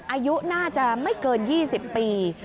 อายุน่าจะไม่เกิน๒๐ปี